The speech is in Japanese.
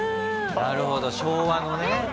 なるほど昭和のね。